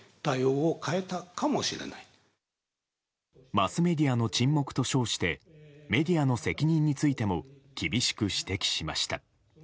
「マスメディアの沈黙」と称してメディアの責任についても厳しく指摘しました。